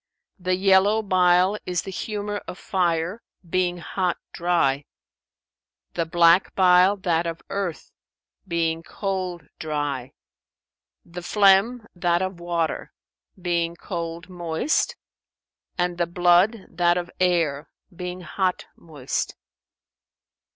The yellow bile is the humour of fire, being hot dry; the black bile that of earth, being cold dry; the phlegm that of water, being cold moist, and the blood that of air, being hot moist.